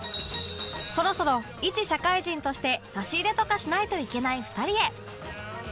そろそろ一社会人として差し入れとかしないといけない２人へ